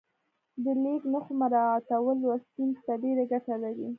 د لیک نښو مراعاتول لوستونکي ته ډېره ګټه لري.